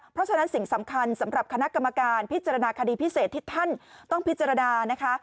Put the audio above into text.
เพราะฉะนั้นสิ่งสำคัญสำหรับคณะกรรมการพิจารณาคดีพิเศษที่ท่านต้องพิจารณานะคะ